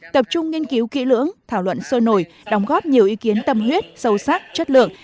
tập trung nghiên cứu kỹ lưỡng thảo luận sôi nổi đóng góp nhiều ý kiến tâm huyết sâu sắc chất lượng